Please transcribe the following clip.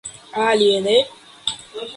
Alie ne?